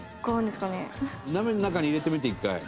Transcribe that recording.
鍋の中に入れてみて１回。